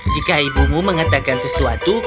jika ibumu mengatakan sesuatu